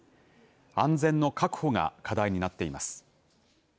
安全の確保が課題になっています。